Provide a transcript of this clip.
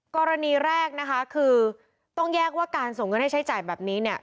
กรณีแรกนะคะคือต้องแยกว่าการส่งเงินให้ใช้จ่ายแบบนี้เนี่ย